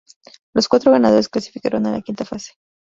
Los cuatro ganadores clasificaron a la Quinta fase.